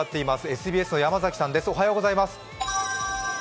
ＳＢＳの山崎さんです。